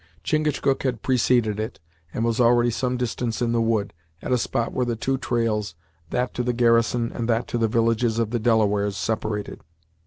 Chingachgook had preceded it, and was already some distance in the wood, at a spot where the two trails, that to the garrison and that to the villages of the Delawares, separated.